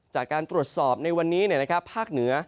จากการตรวจสอบในวันนี้ภาคเหนือ